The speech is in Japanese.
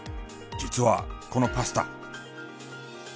実はこのパスタ。